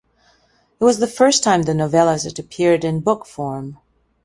It was the first time the novellas had appeared in book form.